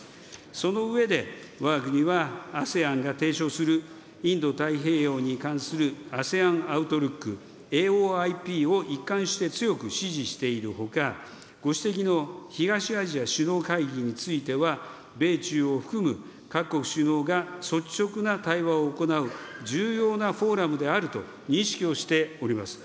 その上で、わが国は、ＡＳＥＡＮが提唱するインド太平洋に関するＡＳＥＡＮアウトルック、ＡＯＩＰを一貫して強く支持しているほか、ご指摘の東アジア首脳会議については、米中を含む各国首脳が率直な対話を行う、重要なフォーラムであると認識をしております。